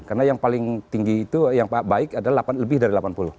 karena yang paling tinggi itu yang baik adalah lebih dari delapan puluh